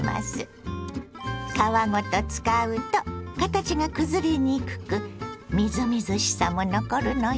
皮ごと使うと形がくずれにくくみずみずしさも残るのよ。